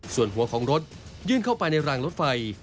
ส่วนหัวของรถยื่นเข้าไปในรางรถไฟ